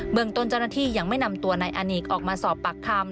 เมืองต้นเจ้าหน้าที่ยังไม่นำตัวนายอเนกออกมาสอบปากคำ